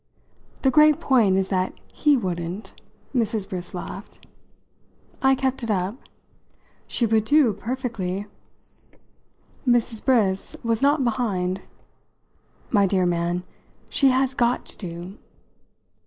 "The great point is that he wouldn't!" Mrs. Briss laughed. I kept it up. "She would do perfectly." Mrs. Briss was not behind. "My dear man, she has got to do!"